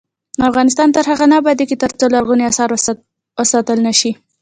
افغانستان تر هغو نه ابادیږي، ترڅو لرغوني اثار وساتل نشي.